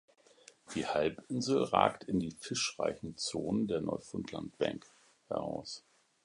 Die Halbinsel ragt in die fischreichen Zonen der Neufundlandbank heraus.